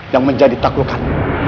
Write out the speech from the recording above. yang menjadi taklukan